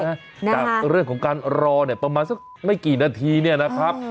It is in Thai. จากเรื่องของการรอมาไม่กี่นาทีเนี่ยนะคะ